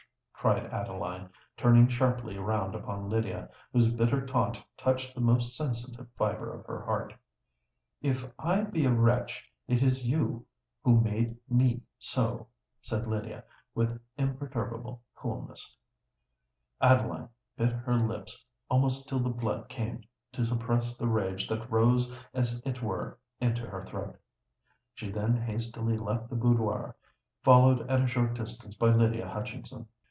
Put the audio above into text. cried Adeline, turning sharply round upon Lydia, whose bitter taunt touched the most sensitive fibre of her heart. "If I be a wretch, it is you who made me so," said Lydia, with imperturbable coolness. Adeline bit her lips almost till the blood came, to suppress the rage that rose as it were into her throat. She then hastily left the boudoir, followed at a short distance by Lydia Hutchinson.